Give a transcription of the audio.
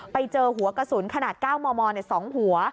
ไปเจอหัวกระสุนขนาด๙มม๒หัว